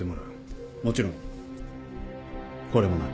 もちろんこれもな。